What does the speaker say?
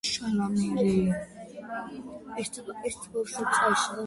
ქალაქ აღრის ჩრდილოეთით ესაზღვრება ყარსის პროვინცია.